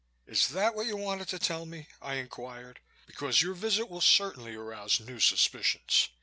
"Is that what you wanted to tell me?" I inquired, "because your visit will certainly arouse new suspicions.